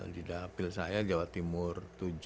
di dapil saya jawa timur tujuh